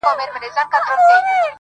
ستا شور به مي څنګه د صنم له کوڅې وباسي،